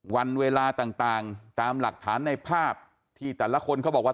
วันเวลาต่างตามหลักฐานในภาพที่แต่ละคนเขาบอกว่า